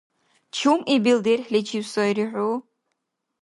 Чумъибил дерхӀличив сайри хӀу?